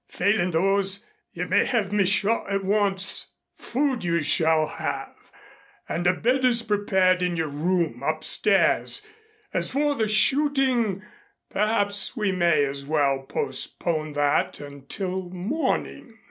Failing those, you may have me shot at once." "Food you shall have, and a bed is prepared in your room upstairs. As for the shooting, perhaps we may as well postpone that until morning."